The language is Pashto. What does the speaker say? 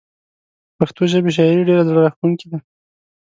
پښتو ژبې شاعري ډيره زړه راښکونکي ده